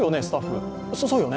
スタッフ。